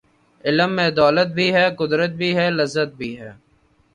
علم میں دولت بھی ہے ،قدرت بھی ہے ،لذت بھی ہے